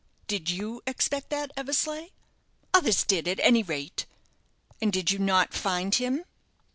"Did you expect that, Eversleigh?" "Others did, at any rate." "And did you not find him